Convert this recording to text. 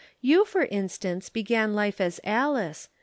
You, for instance, began life as Alice.